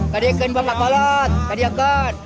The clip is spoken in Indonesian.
kadi akan kadi akan kadi akan